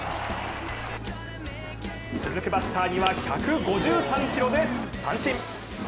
続くバッターには、１５３キロで三振。